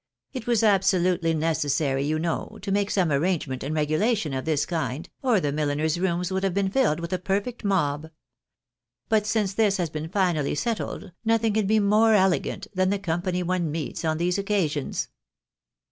It was absolutely necessary, you know, to make some arrangement and regulation of this kind, or the milliners' rooms would have been filled with a perfect mob. But since this has been finally settled, nothing can be more elegant than the company one meets on these occasions."